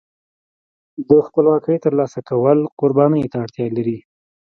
د خپلواکۍ ترلاسه کول قربانۍ ته اړتیا لري.